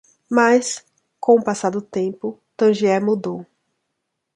Mas? com o passar do tempo? Tangier mudou.